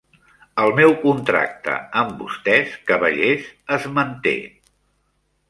El meu contracte amb vostès, cavallers, es manté!